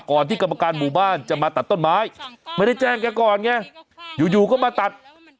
ที่กรรมการหมู่บ้านจะมาตัดต้นไม้ไม่ได้แจ้งแกก่อนไงอยู่อยู่ก็มาตัด